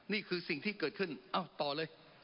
นี่คือสิ่งที่เกิดขึ้นเอ้าต่อเลย